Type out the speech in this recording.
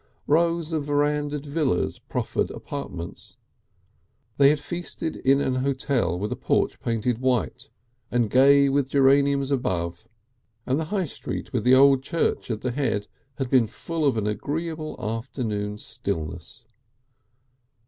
Rows of verandahed villas proffered apartments, they had feasted in an hotel with a porch painted white and gay with geraniums above, and the High Street with the old church at the head had been full of an agreeable afternoon stillness.